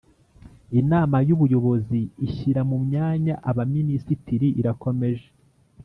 Inama y Ubuyobozi ishyira mu myanya abaminisitiri irakomej